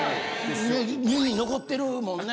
耳に残ってるもんね。